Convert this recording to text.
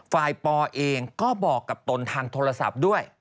ปอเองก็บอกกับตนทางโทรศัพท์ด้วย